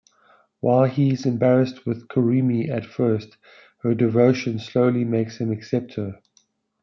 While he's embarrassed with Kurumi at first, her devotion slowly makes him accept her.